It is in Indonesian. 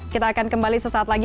kita akan kembali sesaat lagi